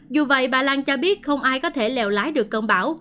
dù vậy bà lan cho biết không ai có thể lèo lái được công bảo